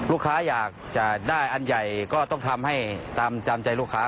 ลูกค้าอยากจะได้อันใหญ่ก็ต้องทำให้ตามใจลูกค้า